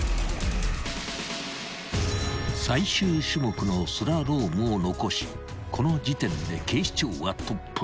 ［最終種目のスラロームを残しこの時点で警視庁はトップ］